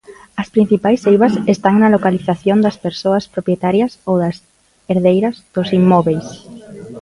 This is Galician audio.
As principais eivas están na localización das persoas propietarias ou das herdeiras dos inmóbeis.